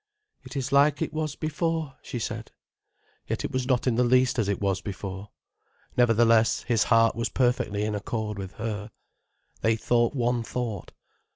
"It is like it was before," she said. Yet it was not in the least as it was before. Nevertheless his heart was perfectly in accord with her. They thought one thought.